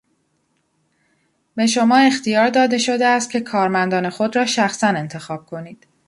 به شما اختیار داده شده است که کارمندان خود را شخصا انتخاب کنید.